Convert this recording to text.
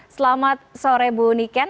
selamat sore bu niken